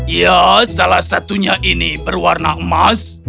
ya salah satunya ini berwarna emas